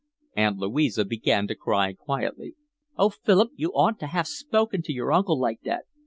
Aunt Louisa began to cry quietly. "Oh, Philip, you oughtn't to have spoken to your uncle like that.